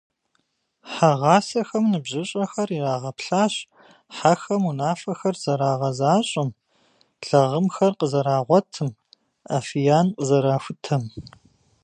Хьэгъасэхэм ныбжьыщӏэхэр ирагъэплъащ хьэхэм унафэхэр зэрагъэзащӏэм, лагъымхэр къызэрагъуэтым, афиян къызэрахутэм.